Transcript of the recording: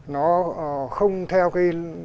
nó không theo cái